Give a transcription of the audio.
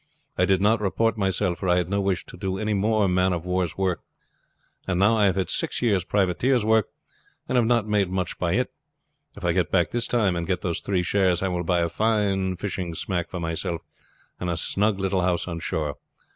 I did not report myself, for I had no wish to do any more man of wars' work; and now I have had six years privateers' work, and have not made much by it. If I get back this time and get those three shares I will buy a fine fishing smack for myself and a snug little house on shore.